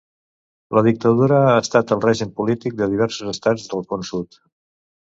La dictadura ha estat el règim polític de diversos estats del Con Sud.